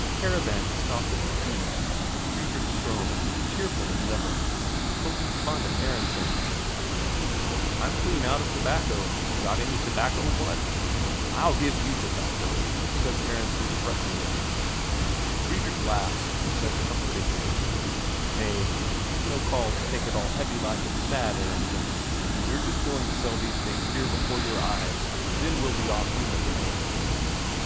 The caravan has stopped at the quay, and Fredrik Ström, cheerful as ever, is poking fun at Aronsen: "I'm clean out of tobacco; got any tobacco, what?" "I'll give you tobacco," said Aronsen threateningly. Fredrik laughs, and says comfortingly: "Nay, you've no call to take it all heavy like and sad, Aronsen. We're just going to sell these things here before your eyes, and then we'll be off home again."